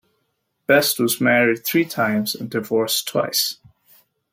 Best was married three times and divorced twice.